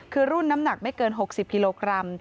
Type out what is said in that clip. คือรุ่นน้ำหนักไม่เกิน๖๐กิโลกรัม